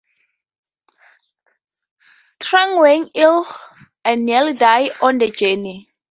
Trang was ill and nearly died on the journey.